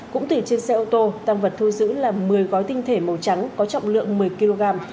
cũng tùy trên xe ô tô tăng vật thu giữ là một mươi gói tinh thể màu trắng có trọng lượng một mươi kg